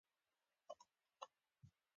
بېنډۍ د پښتو پخلنځي یو عمده خوراک دی